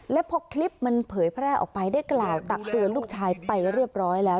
และพอคลิปมันเผยแพร่ออกไปได้กล่าวตักเตือนลูกชายไปเรียบร้อยแล้ว